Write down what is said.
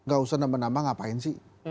gak usah nambah nambah ngapain sih